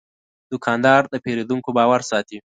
دوکاندار د پیرودونکو باور ساتي.